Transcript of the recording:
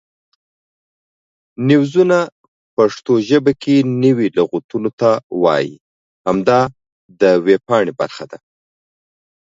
نویزونه پښتو ژبه کې نوي لغتونو ته وایي او همدا د وییپانګې برخه ده